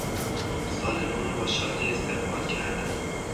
سال نو را با شادی استقبال کردن